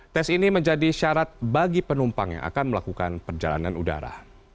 tes ini menjadi syarat bagi penumpang yang akan melakukan perjalanan udara